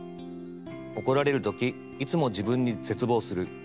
怒られるときいつも自分に絶望する。